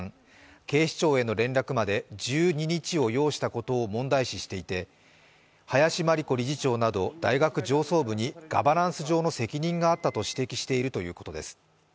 警視庁への連絡まで１２日を要したことを問題視していて、林真理子理事長など大学上層部にガバナンス上の責任があったと指摘しているということです。